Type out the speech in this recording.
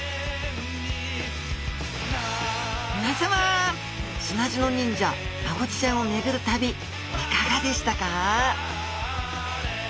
皆さま砂地の忍者マゴチちゃんを巡る旅いかがでしたか？